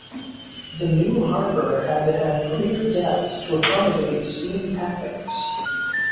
The new harbour had to have greater depth to accommodate steam packets.